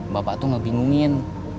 bapak tuh ngebingungin